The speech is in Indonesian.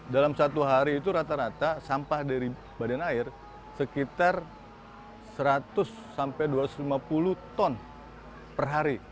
dalam satu hari itu rata rata sampah dari badan air sekitar seratus sampai dua ratus lima puluh ton per hari